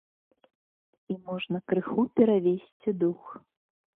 І можна крыху перавесці дух.